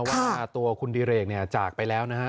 ว่าตัวคุณดีเรกจากไปแล้วนะคะ